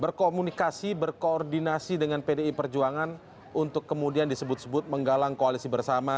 berkomunikasi berkoordinasi dengan pdi perjuangan untuk kemudian disebut sebut menggalang koalisi bersama